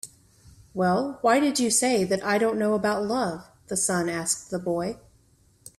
"Well, why did you say that I don't know about love?" the sun asked the boy.